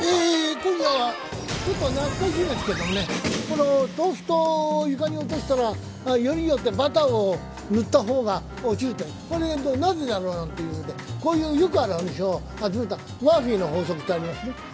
今夜はちょっと懐かしいですけれども、トーストを床に落としたら、よりによてバターを塗った方が落ちるという、これなぜだろうということで、こういう愉快な事象を集めたマーフィーの法則ってありますね。